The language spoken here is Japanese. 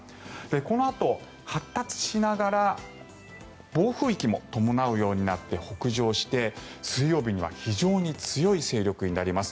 このあと発達しながら暴風域も伴うようになって北上して水曜日には非常に強い勢力になります。